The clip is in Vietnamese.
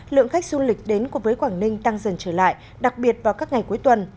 lượng khách du lịch đến với quảng ninh tăng dần trở lại đặc biệt vào các ngày cuối tuần